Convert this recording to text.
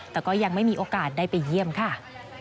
แต่ก็ยังไม่มีโอกาสได้ไปเยี่ยมค่ะ